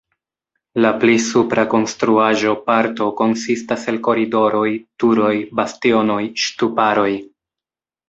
La pli supra konstruaĵo-parto konsistas el koridoroj, turoj, bastionoj, ŝtuparoj.